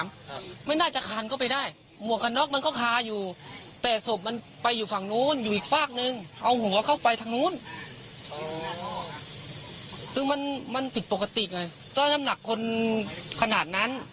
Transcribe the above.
มันผิดปกติเลยเพราะว่าน้ำหนักคนขนาดนั้น